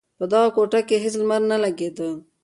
په دغه کوټه کې هېڅ لمر نه لگېده.